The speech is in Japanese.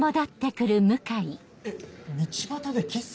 えっ道端でキス⁉